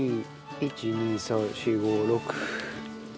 １２３４５６７８。